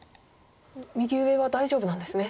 右上は大丈夫なんですね。